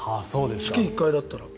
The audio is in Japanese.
月に１回だったら。